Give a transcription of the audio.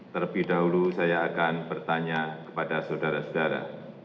terlebih dahulu saya akan bertanya kepada saudara saudara